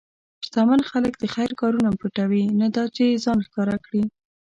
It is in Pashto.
شتمن خلک د خیر کارونه پټوي، نه دا چې ځان ښکاره کړي.